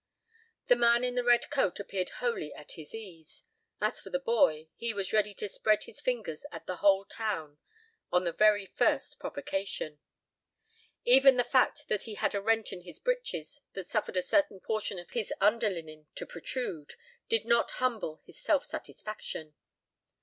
The man in the red coat appeared wholly at his ease. As for the boy, he was ready to spread his fingers at the whole town on the very first provocation. Even the fact that he had a rent in his breeches that suffered a certain portion of his underlinen to protrude did not humble his self satisfaction.